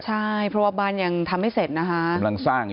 ใช่พระบาปบ้านยังทำให้เสร็จนะคะ